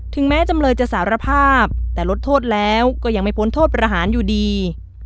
แม้จำเลยจะสารภาพแต่ลดโทษแล้วก็ยังไม่พ้นโทษประหารอยู่ดี